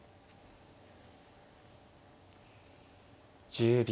１０秒。